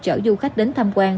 chở du khách đến tham quan